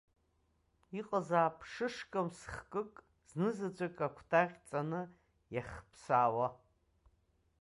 Иҟазаап шышкамс хкык, знызаҵәык акәтаӷь ҵаны иахԥсаауа.